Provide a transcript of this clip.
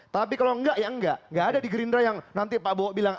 tapi kalau enggak ya enggak enggak ada di gerindra yang nanti pak bowo bilang